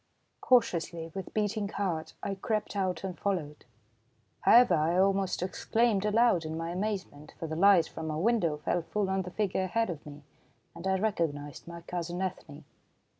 Cautiously, with beating heart, I crept out and followed. However, I almost exclaimed aloud in my amazement, for the light from a window fell full on the figure ahead of me, and I recognised my cousin Ethne.